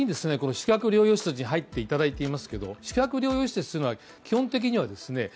宿泊療養施設入っていただいていますけど、宿泊療養施設というのは、基本的にはですね